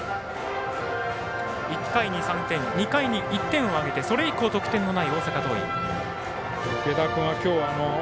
１回に３点、２回に１点を挙げてそれ以降、得点のない大阪桐蔭。